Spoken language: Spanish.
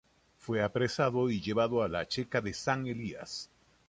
Fue apresado y llevado a la checa de San Elías.